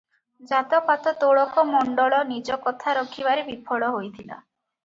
ଜାତ-ପାତ ତୋଡ଼କ ମଣ୍ଡଳ ନିଜ କଥା ରଖିବାରେ ବିଫଳ ହୋଇଥିଲା ।